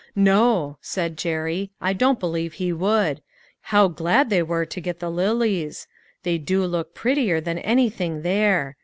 " No," said Jerry " I don't believe he would. How glad they were to get the lilies ! They do look prettier than anything there.